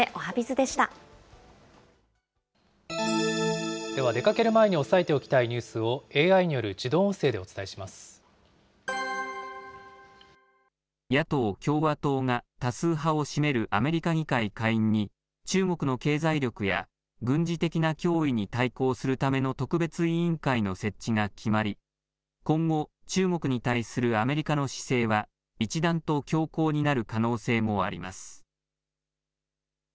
では出かける前に押さえておきたいニュースをＡＩによる自動野党・共和党が多数派を占めるアメリカ議会下院に、中国の経済力や軍事的な脅威に対抗するための特別委員会の設置が決まり、今後、中国に対するアメリカの姿勢は一段と強硬になる可能性もあります。